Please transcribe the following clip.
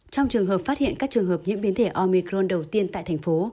trong trường hợp phát hiện các trường hợp nhiễm biến thể omicron đầu tiên tại thành phố